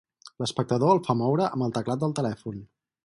L'espectador el fa moure amb el teclat del telèfon.